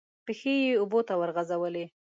پښې یې اوبو ته ورغځولې.